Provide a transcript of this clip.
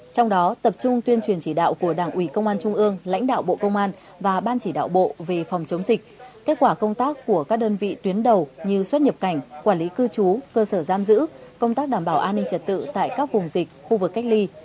trong đó tập trung tuyên truyền chỉ đạo của đảng ủy công an trung ương lãnh đạo bộ công an và ban chỉ đạo bộ về phòng chống dịch kết quả công tác của các đơn vị tuyến đầu như xuất nhập cảnh quản lý cư trú cơ sở giam giữ công tác đảm bảo an ninh trật tự tại các vùng dịch khu vực cách ly